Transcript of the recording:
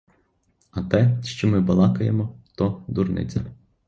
А те, що ми балакаємо, то — дурниця.